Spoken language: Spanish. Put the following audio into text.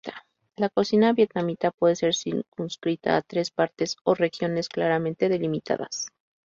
La cocina vietnamita puede ser circunscrita a tres partes o regiones claramente delimitadas.